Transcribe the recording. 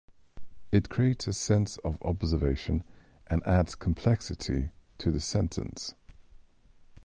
It creates a sense of observation and adds complexity to the sentence.